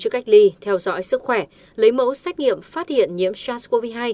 chữa cách ly theo dõi sức khỏe lấy mẫu xét nghiệm phát hiện nhiễm sars cov hai